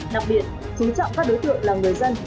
đặc biệt chú trọng các đối tượng là người dân